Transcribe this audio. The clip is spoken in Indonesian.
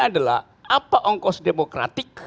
adalah apa ongkos demokratik